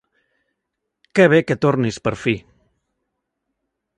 Que bé que tornis per fi.